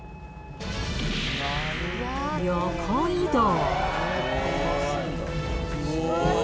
横移動。